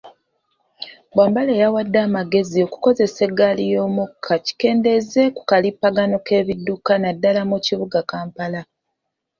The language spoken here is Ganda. Bwambale yawadde amagezi okukozesa eggaali y'omukka kikendeeze ku kalippagano k'ebidduka naddala mu kibuga Kampala.